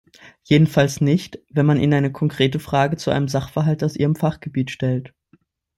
Jedenfalls nicht, wenn man ihnen eine konkrete Frage zu einem Sachverhalt aus ihrem Fachgebiet stellt.